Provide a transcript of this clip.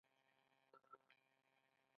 د ملک پۀ مختلفو ښارونو کښې ګرزيدو ۔